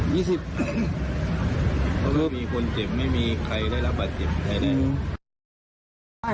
ยี่สิบเขาไม่มีคนเจ็บไม่มีใครได้รับบัตรเจ็บใครได้